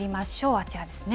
あちらですね。